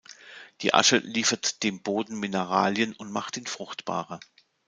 Die Asche liefert dem Boden Mineralien und macht ihn fruchtbarer.